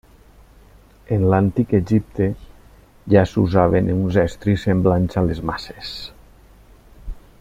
En l'Antic Egipte ja s'usaven uns estris semblants a les maces.